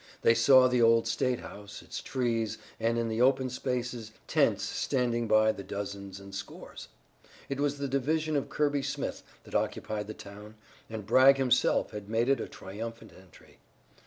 They saw the old state house, its trees, and in the open spaces, tents standing by the dozens and scores. It was the division of Kirby Smith that occupied the town, and Bragg himself had made a triumphant entry.